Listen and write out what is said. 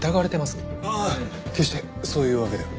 ああ決してそういうわけでは。